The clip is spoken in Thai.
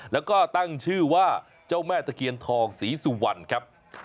แล้วก็ตั้งชื่อว่าเจ้าแม่ตะเคียนทองศรีสุวรรณครับ